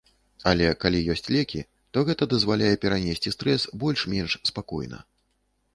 Але, калі ёсць лекі, то гэта дазваляе перанесці стрэс больш-менш спакойна.